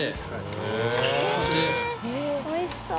へぇおいしそう。